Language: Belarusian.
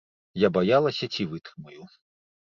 Я баялася, ці вытрымаю.